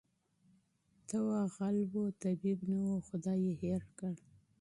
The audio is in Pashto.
ته وا غل وو طبیب نه وو خدای ېې هېر کړ